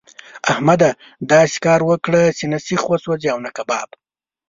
احمده! داسې کار وکړه چې نه سيخ وسوځي او نه هم کباب.